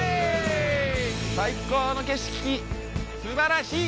最高の景色すばらしい。